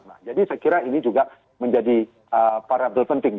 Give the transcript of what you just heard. nah jadi saya kira ini juga menjadi variable penting